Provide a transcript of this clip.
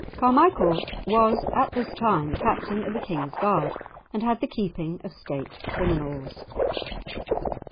Carmichael was at this time captain of the King's Guard, and had the keeping of State criminals.